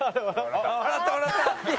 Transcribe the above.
「笑った笑った」